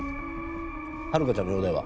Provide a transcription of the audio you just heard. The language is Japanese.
遥香ちゃんの容体は？